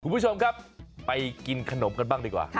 คุณผู้ชมครับไปกินขนมกันบ้างดีกว่า